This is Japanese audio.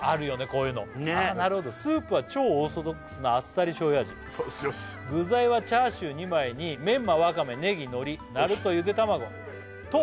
こういうのああなるほど「スープは超オーソドックスなあっさり醤油味」「具材はチャーシュー２枚にメンマワカメネギ海苔」「ナルトゆで卵と」